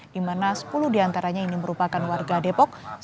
di mana sepuluh diantaranya ini merupakan warga depok